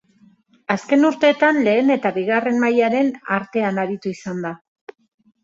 Azken urteetan lehen eta bigarren mailaren artean aritu izan da.